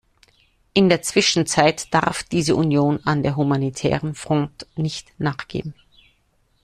In der Zwischenzeit darf diese Union an der humanitären Front nicht nachgeben.